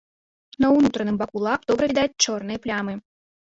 На ўнутраным баку лап добра відаць чорныя плямы.